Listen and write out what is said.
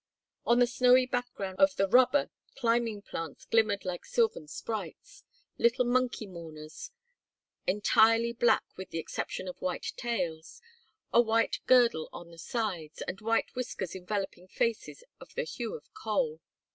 On the snowy background of the rubber climbing plants glimmered like sylvan sprites, little monkey mourners, entirely black with the exception of white tails, a white girdle on the sides, and white whiskers enveloping faces of the hue of coal.